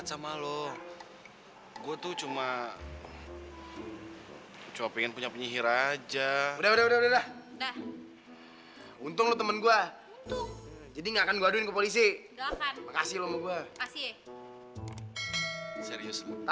simsalabim abrakadabra luka juragan sembuh